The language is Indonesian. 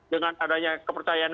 dengan adanya kepercayaan